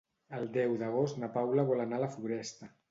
El deu d'agost na Paula vol anar a la Floresta.